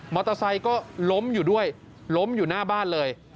อเตอร์ไซค์ก็ล้มอยู่ด้วยล้มอยู่หน้าบ้านเลย